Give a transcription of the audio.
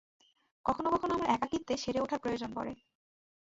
কখনো-কখনো আমার একাকীত্বে সেরে ওঠার প্রয়োজন পড়ে।